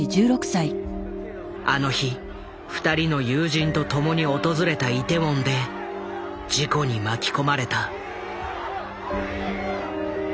あの日２人の友人と共に訪れたイテウォンで事故に巻き込まれた。